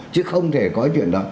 chứ không thể có chuyện đó